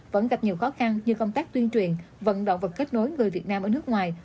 vẫn gặp nhiều khó khăn như công tác tuyên truyền vận động và kết nối người việt nam ở nước ngoài